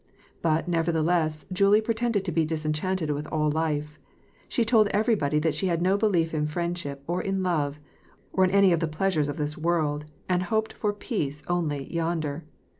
But, nevertheless, Julie pretended to be disenchanted with all life ; she told everybody that she had no belief in friendship, or in love, or in any of the pleasures of this world, and hoped for peace only "yonder."